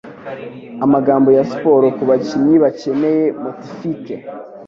amagambo ya siporo kubakinnyi bakeneye motifike